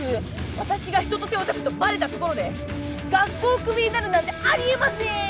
私が春夏秋冬オタクとバレたところで学校をクビになるなんてあり得ませーん！